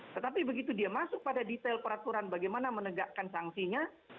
tetapi begitu dia masuk pada detail peraturan bagaimana menegakkan sanksinya